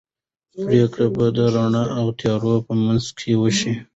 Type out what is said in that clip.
پرېکړه به د رڼا او تیارې په منځ کې وشي.